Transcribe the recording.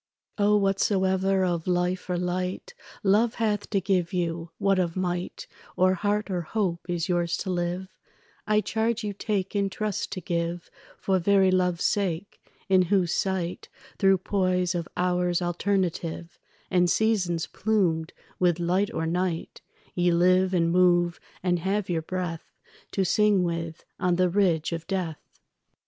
O, whatsoever of life or light Love hath to give you, what of might Or heart or hope is yours to live, I charge you take in trust to give For very love's sake, in whose sight, Through poise of hours alternative And seasons plumed with light or night, Ye live and move and have your breath To sing with on the ridge of death.